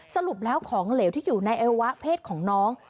สรุปแล้วของเหลวที่อยู่ในอวัยวะเพศของน้อง